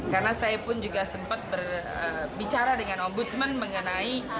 karena saya pun juga sempat berbicara dengan ombudsman mengenai